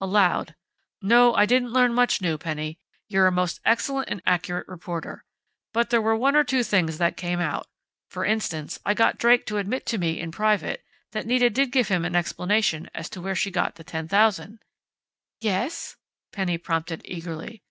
Aloud: "No, I didn't learn much new, Penny. You're a most excellent and accurate reporter.... But there were one or two things that came out. For instance, I got Drake to admit to me, in private, that Nita did give him an explanation as to where she got the $10,000." "Yes?" Penny prompted eagerly.